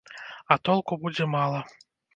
А толку будзе мала.